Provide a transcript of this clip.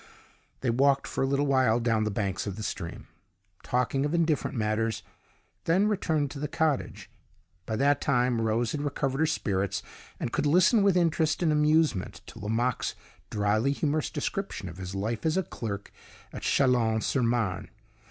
They walked for a little while down the banks of the stream, talking of indifferent matters; then returned to the cottage. By that time Rose had recovered her spirits, and could listen with interest and amusement to Lomaque's dryly humorous description of his life as a clerk at Chalons sur Marne.